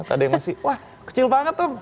ada yang masih wah kecil banget om